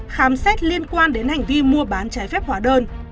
khám xét liên quan đến hành vi mua bán trái phép hóa đơn